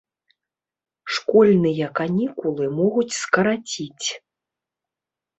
Школьныя канікулы могуць скараціць.